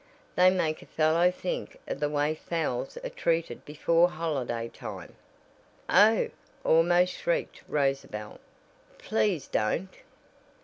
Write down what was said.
They make a fellow think of the way fowls are treated before holiday time?" "Oh," almost shrieked Rosabel, "Please don't!"